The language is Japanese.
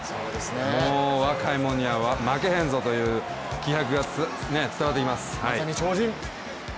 もう、若いもんには負けへんぞという気迫が伝わってきます。